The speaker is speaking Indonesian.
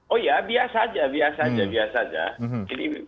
oh ya biasa saja biasa saja biasa saja